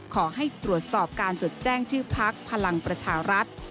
ขอให้ตรวจสอบการจดแจ้งชื่อพักพลังประชารัฐ